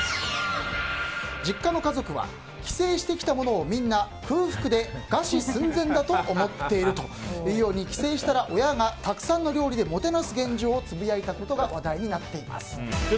実家の家族は帰省してきた者をみんな空腹で餓死寸前だと思っているというように帰省したら親がたくさんの料理でもてなす現状をつぶやいたことが話題になっています。